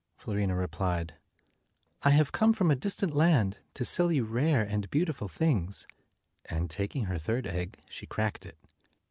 Fiorina replied, "I have come from a distant land to sell you rare and beautiful things"; and, taking her third egg, she cracked it.